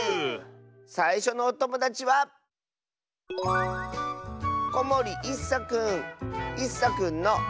さいしょのおともだちはいっさくんの。